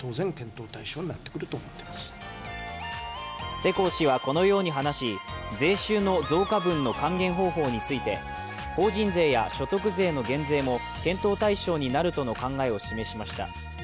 世耕氏はこのように話し、税収の増加分の還元方法について法人税や所得税の減税も検討対象になるとの考えを示しました。